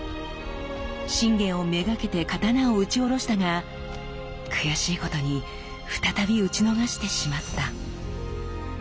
信玄を目がけて刀を打ち下ろしたが悔しいことに再び討ち逃してしまった。